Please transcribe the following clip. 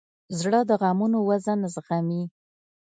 زړه د غمونو وزن زغمي.